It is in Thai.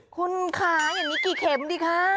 คุณขายันนี้กี่เข็มดิคะ